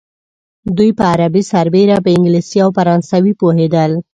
دوی په عربي سربېره په انګلیسي او فرانسوي پوهېدل.